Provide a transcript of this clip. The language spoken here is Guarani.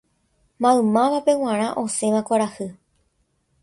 Maymávape g̃uarã osẽva kuarahy